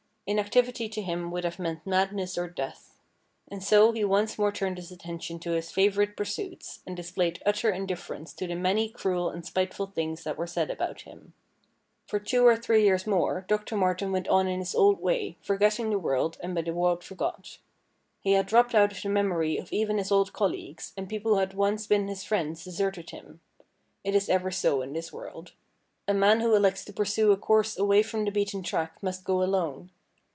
Inactivity to him would have meant madness or death. And so he once more turned his attention to his favourite pursuits, and displayed utter indifference to the many cruel and spiteful things that were said about him. For two or three years more Doctor Martin went on in his old way, forgetting the world and by the world forgot. He had dropped out of the memory of even his old colleagues, and people who had once been his friends deserted him. It is ever so in this world. A man who elects to pursue a course away from the beaten track must go alone.